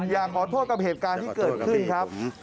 อยากขอโทษกับเหตุการณ์ที่เกิดขึ้นครับ